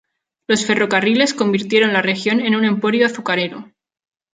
Los ferrocarriles convirtieron la región en un emporio azucarero.